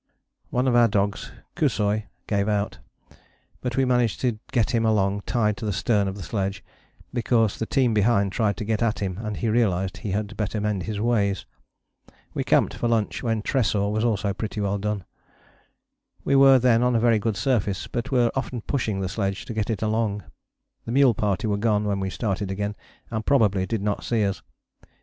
One of our dogs, Kusoi, gave out, but we managed to get him along tied to the stern of the sledge, because the team behind tried to get at him and he realized he had better mend his ways. We camped for lunch when Tresor also was pretty well done. We were then on a very good surface, but were often pushing the sledge to get it along. The mule party were gone when we started again, and probably did not see us.